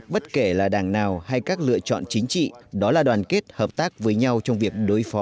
bất kể là đảng nào hay các lựa chọn chính trị đó là đoàn kết hợp tác với nhau trong việc đối phó